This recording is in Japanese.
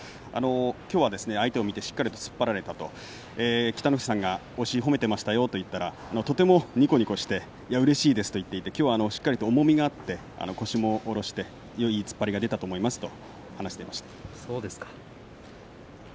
きょうは相手を見てしっかりと突っ張れた北の富士さんが褒めていましたよと言ったらにこにこしてうれしいですと言ってきょうはしっかりと重みがあって腰も下ろしてよい突っ張りがにこにこですね。